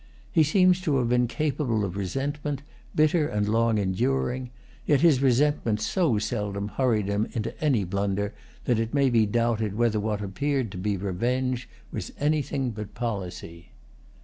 He seems to have been capable of resentment, bitter and long enduring; yet his resentment so seldom hurried him into any blunder that it may be doubted whether what appeared to be revenge was anything but policy.